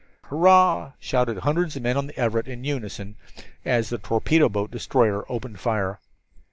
"Hurrah!" shouted hundreds of men on the Everett in unison as the torpedo boat destroyer opened fire.